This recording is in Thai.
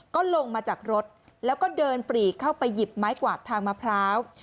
ก็ลงมาจากรถแล้วก็เดินปรีเข้าไปหยิบไม้กวาดทางมะพร้าว